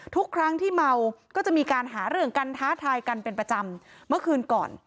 ทุกครั้งที่เมาก็จะมีการหาเรื่องกันท้าทายกันเป็นประจำเมื่อคืนก่อน